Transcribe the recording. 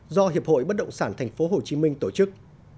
do hiệp hội bất động sản tp hcm tổ chức